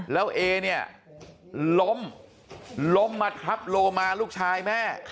แล้วเอเนี่ยล้มล้มมาทับโลมาลูกชายแม่